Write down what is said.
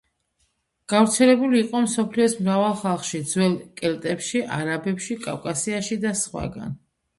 გავრცელებული იყო მსოფლიოს მრავალ ხალხში: ძველ კელტებში, არაბებში, კავკასიაში და სხვაგან.